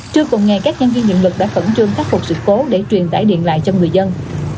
trưa cùng ngày các nhân viên hiệu lực đã khẩn trương khắc phục sự cố để truyền tải điện lại cho người dân